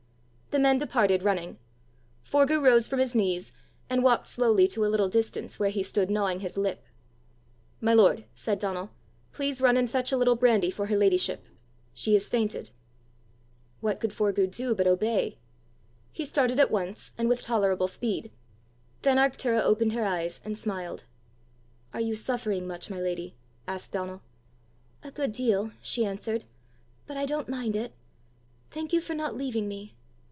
The men departed running. Forgue rose from his knees, and walked slowly to a little distance, where he stood gnawing his lip. "My lord," said Donal, "please run and fetch a little brandy for her ladyship. She has fainted." What could Forgue do but obey! He started at once, and with tolerable speed. Then Arctura opened her eyes, and smiled. "Are you suffering much, my lady?" asked Donal. "A good deal," she answered, "but I don't mind it. Thank you for not leaving me.